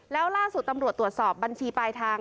แล้วล่าสุดตำรวจตรวจสอบบัญชีปลายทาง